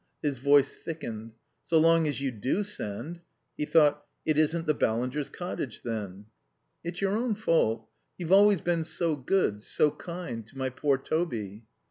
His voice thickened. "So long as you do send " He thought: It isn't the Ballingers' cottage then. "It's your own fault. You've always been so good, so kind. To my poor Toby."